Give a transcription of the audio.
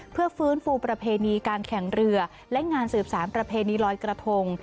เพื่อฟื้นฟูประเพณีการแข่งเรือและงานสืบสารประเพณีลอยกระทง